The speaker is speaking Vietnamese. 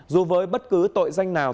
dù với bất cứ tội danh nào